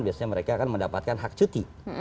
biasanya mereka akan mendapatkan hak cuti